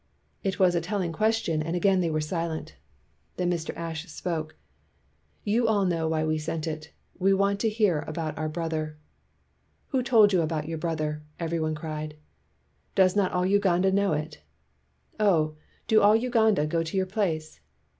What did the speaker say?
It was a telling question and again they were si lent. Then Mr. Ashe spoke: "You all know why we sent it. We want to hear about our brother." "Who told }'ou about your brother?" every one cried. "Does not all Uganda know it?" "Oh, do all Uganda go to your place?"